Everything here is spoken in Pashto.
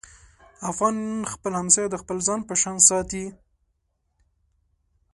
افغان خپل همسایه د خپل ځان په شان ساتي.